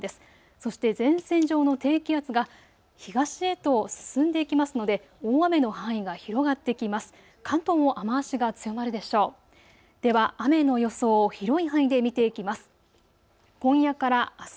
そして前線上の低気圧が東へと進んでいきますので大雨の範囲が広がってきます。